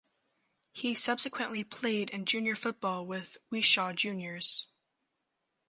He subsequently played in junior football with Wishaw Juniors.